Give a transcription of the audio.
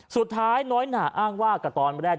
สุดท้ายน้อยหนาอ้างว่ากับตอนแรก